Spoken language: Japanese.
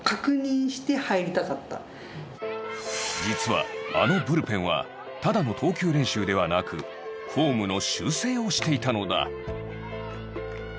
実は、あのブルペンはただの投球練習ではなくフォームの修正をしていたのだ。